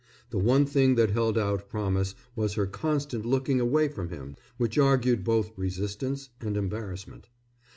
The one thing that held out promise was her constant looking away from him, which argued both resistance and embarrassment.